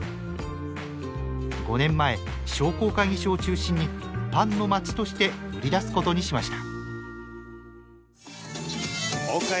５年前商工会議所を中心にパンの街として売り出すことにしました。